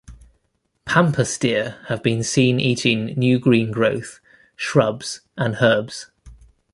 Pampas deer have been seen eating new green growth, shrubs, and herbs.